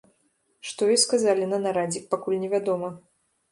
Што ёй сказалі на нарадзе, пакуль невядома.